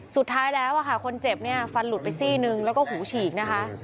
สุดท้ายแล้วค่ะคนเจ็บเนี่ยฟันหลุดไปซี่นึงแล้วก็หูฉีกนะคะ